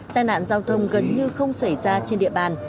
tai nạn giao thông gần như không xảy ra trên địa bàn